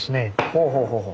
ほうほうほうほう。